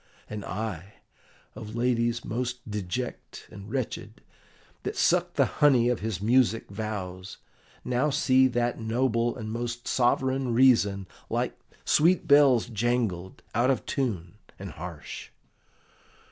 And I, of ladies most deject and wretched, that sucked the honey of his music vows, now see that noble and most sovereign reason, like sweet bells jangled, out of tune and harsh!